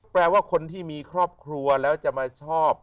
แปลว่าคนที่มีครอบครัวแล้วจะมาชอบ